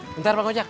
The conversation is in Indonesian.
bentar bang ojak